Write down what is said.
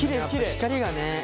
光がね。